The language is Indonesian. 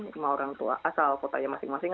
sama orang tua asal kotanya masing masing